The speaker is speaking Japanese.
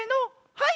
はい！